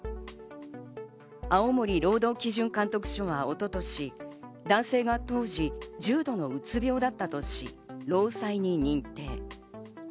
青森労働基準監督署は一昨年、男性が当時、重度のうつ病だったとし労災に認定。